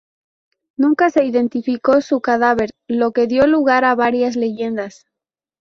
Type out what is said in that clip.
Nunca se identificó su cadáver, lo que dio lugar a varias leyendas.